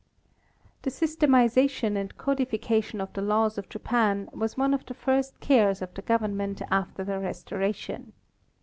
The systematization and codification of the laws of Japan was one of the first cares of the government after the restoration.